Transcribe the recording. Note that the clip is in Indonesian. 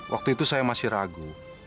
waktu itu saya masih ragu